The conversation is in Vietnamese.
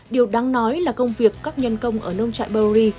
điều đáng nói là công việc các nhân công ở nông trại boei